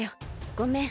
ごめん。